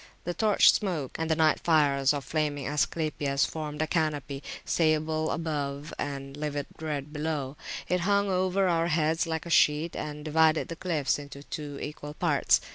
The torch smoke and the night fires of flaming Asclepias formed a canopy, sable [p.146] above and livid red below; it hung over our heads like a sheet, and divided the cliffs into two equal parts.